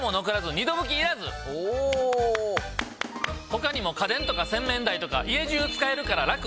他にも家電とか洗面台とか家じゅう使えるからラク！